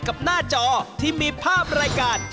หน้าจอที่มีภาพรายการ